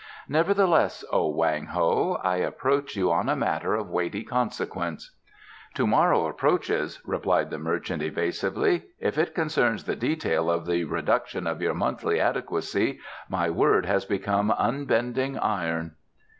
"Nevertheless, O Wang Ho, I approach you on a matter of weighty consequence." "To morrow approaches," replied the merchant evasively. "If it concerns the detail of the reduction of your monthly adequacy, my word has become unbending iron."